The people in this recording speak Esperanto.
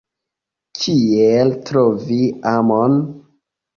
Kiel trovi amon?